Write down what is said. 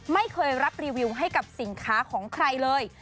ไม่เคยรับรีวิวให้กับสินค้าของใครเลย